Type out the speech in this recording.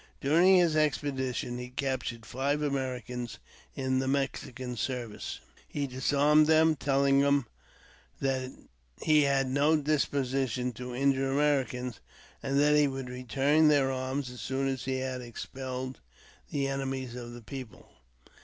During his expedition he captured five Americans in the Mexican service. He disarmed them,, telling them that he had no disposition to injure Americans, and that he would return their arms as soon as he had ex pelled the enemies of the people.